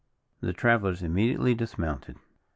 The travellers immediately dismounted.